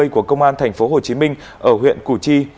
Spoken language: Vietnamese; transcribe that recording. của công an tp hcm ở huyện củ chi